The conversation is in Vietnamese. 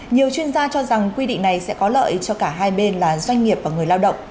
nhiều chuyên gia cho rằng quy định này sẽ có lợi cho cả hai bên là doanh nghiệp và người lao động